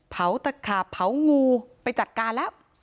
เผาตากราบเผางูไปจัดกรรมแล้ว